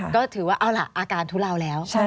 ก็ถือว่าออกมาไหนด้วยอาการทุล่าวแล้ว